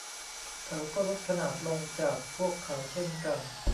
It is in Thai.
เขาก็ลดขนาดลงจากพวกเขาเช่นกัน